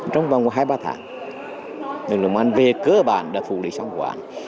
trong vòng hai ba tháng lực lượng án về cơ bản đã phủ lý xong của án